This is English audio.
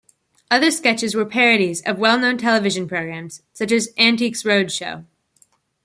Other sketches were parodies of well known television programs, such as "Antiques Roadshow".